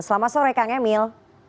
selamat sore kang emil